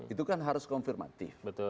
itu kan harus konfirmatif